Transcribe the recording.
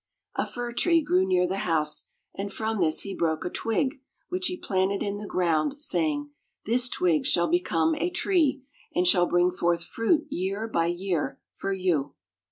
A fir tree grew near the house; and from this he broke a twig, which he planted in the ground, saying: "This twig shall become a tree, and shall bring forth fruit year by year for you."